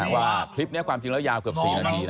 ว่าคลิปนี้ความจริงแล้วยาวเกือบ๔นาที